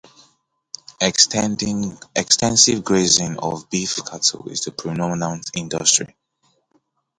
Extensive grazing of beef cattle is the predominant industry.